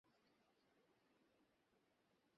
আহার যৎসামান্য, অধ্যয়ন আলোচনা ধ্যানাদি কিন্তু খুব চলছে।